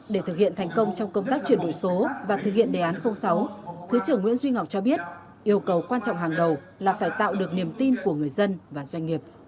để thực hiện thành công trong công tác chuyển đổi số và thực hiện đề án sáu thứ trưởng nguyễn duy ngọc cho biết yêu cầu quan trọng hàng đầu là phải tạo được niềm tin của người dân và doanh nghiệp